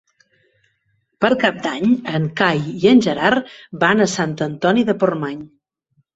Per Cap d'Any en Cai i en Gerard van a Sant Antoni de Portmany.